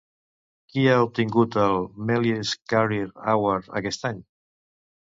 Qui ha obtingut el Méliès Career Award aquest any?